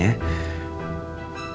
apa ini artinya